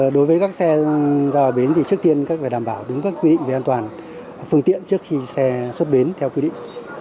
đối với các xe ra vào bến thì trước tiên các phải đảm bảo đúng các quy định về an toàn phương tiện trước khi xe xuất bến theo quy định